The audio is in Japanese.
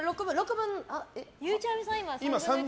ゆうちゃみさん